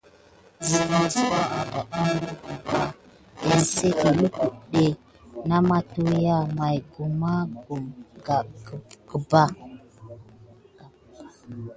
Sigan ɗiɗa ada kidan ɗe gəban kesinki, lukutu nà matua may gumà kum gabak.